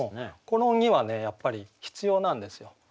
この「に」はねやっぱり必要なんですよ。